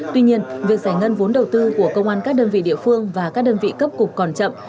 tuy nhiên việc giải ngân vốn đầu tư của công an các đơn vị địa phương và các đơn vị cấp cục còn chậm